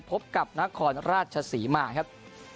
พบกับนครราชศรีมาครับ